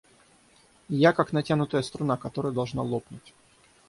Я — как натянутая струна, которая должна лопнуть.